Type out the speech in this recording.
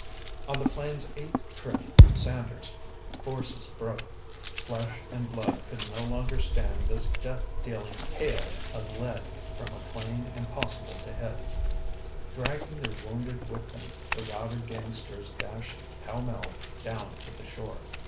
On the plane's eighth trip, Sanders' forces broke. Flesh and blood could no longer stand this death dealing hail of lead from a plane impossible to hit. Dragging their wounded with them, the routed gangsters dashed pell mell down to the shore.